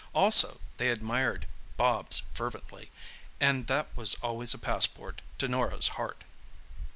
Also they admired Bobs fervently, and that was always a passport to Norah's heart.